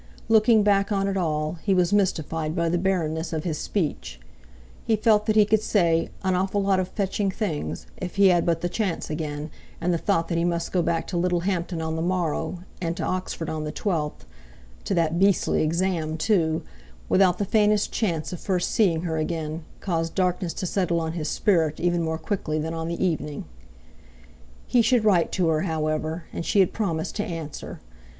Looking back on it all, he was mystified by the barrenness of his speech; he felt that he could say "an awful lot of fetching things" if he had but the chance again, and the thought that he must go back to Littlehampton on the morrow, and to Oxford on the twelfth—"to that beastly exam," too—without the faintest chance of first seeing her again, caused darkness to settle on his spirit even more quickly than on the evening. He should write to her, however, and she had promised to answer.